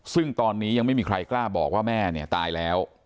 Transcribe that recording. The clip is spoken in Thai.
ซึ่งตอนนี้ยังไม่มีใครกล้าบอกว่าแม่เนี่ยตายแล้ว